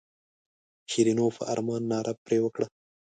شیرینو په ارمان ناره پر وکړه.